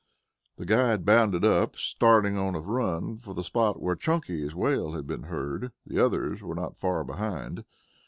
The guide bounded up, starting on a run for the spot where Chunky's wail had been heard. The others were not far behind.